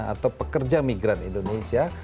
atau pekerja migran indonesia